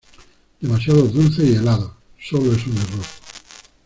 Demasiados dulces y helados. Sólo es un error.